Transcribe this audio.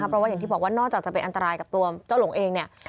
เพราะว่าอย่างที่บอกว่านอกจากจะเป็นอันตรายกับตัวเจ้าหลงเองเนี่ย